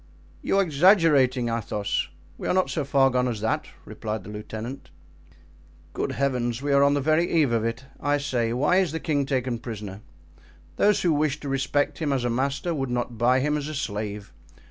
"You are exaggerating, Athos; we are not so far gone as that," replied the lieutenant. "Good heavens! we are on the very eve of it. I say, why is the king taken prisoner? Those who wish to respect him as a master would not buy him as a slave.